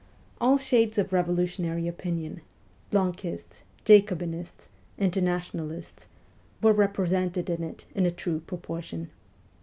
All shades of revolutionary opinion Blanquists, Jacobinists, Internationalists were represented in it in a true pro portion.